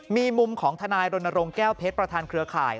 มีมุมของทนายรณรงค์แก้วเพชรประธานเครือข่าย